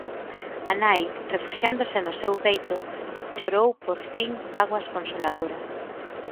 A nai, refuxiándose no seu peito, chorou por fin bágoas consoladoras.